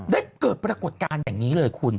ได้เกิดปรากฏการณ์อย่างนี้เลยคุณ